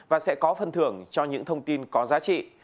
và sẽ có phân thưởng cho những thông tin có giá trị